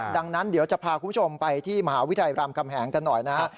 ดังนั้นเดี๋ยวจะพาคุณผู้ชมไปที่มหาวิทยาลัยรามคำแหงกันหน่อยนะฮะ